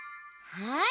はい！